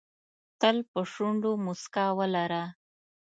تل په شونډو موسکا ولره .